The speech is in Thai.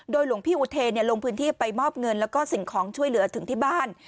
หลวงพี่อุเทนลงพื้นที่ไปมอบเงินแล้วก็สิ่งของช่วยเหลือถึงที่บ้าน